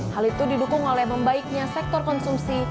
hal itu didukung oleh membaiknya sektor konsumsi